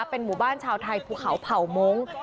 เป็นหมู่บ้านชาวไทยภูเขาเผ่ามงค์